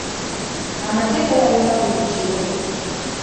Amagye galawuna buli kiro.